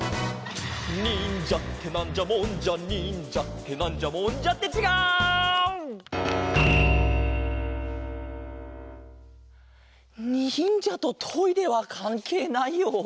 「にんじゃってなんじゃもんじゃにんじゃってなんじゃもんじゃ」ってちがう！にんじゃとトイレはかんけいないよ。